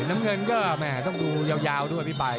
น้ำเงินก็แม่ต้องดูยาวด้วยพี่ไป